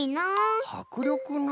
はくりょくな。